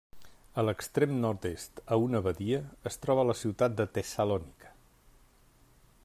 A l'extrem nord-est, a una badia, es troba la ciutat de Tessalònica.